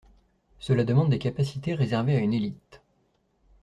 Cela demande des capacités réservées à une élite.